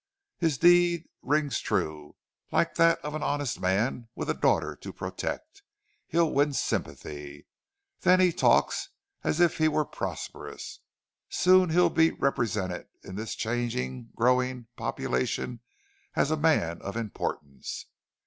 His deed rings true like that of an honest man with a daughter to protect. He'll win sympathy. Then he talks as if he were prosperous. Soon he'll be represented in this changing, growing population as a man of importance.